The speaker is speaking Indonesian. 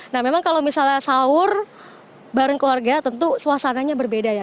nah memang kalau misalnya sahur bareng keluarga tentu suasananya berbeda ya